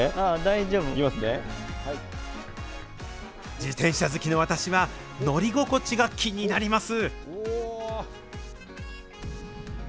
自転車好きの私は乗り心地が気になります。